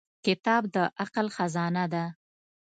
• کتاب د عقل خزانه ده.